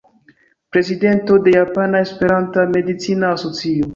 Prezidanto de Japana Esperanta Medicina Asocio.